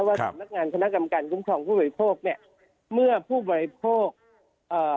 สำนักงานคณะกรรมการคุ้มครองผู้บริโภคเนี้ยเมื่อผู้บริโภคเอ่อ